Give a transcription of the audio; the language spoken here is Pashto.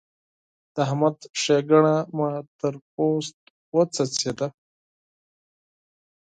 د احمد ښېګڼه مې تر پوست وڅڅېده.